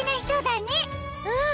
うん！